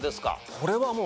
これはもう。